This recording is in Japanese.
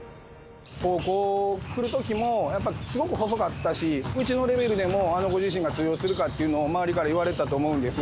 高校来るときも、やっぱすごく細かったし、うちのレベルでも、あの子自身が通用するかっていうのを周りから言われてたと思うんです。